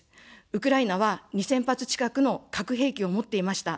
ウクライナは２０００発近くの核兵器を持っていました。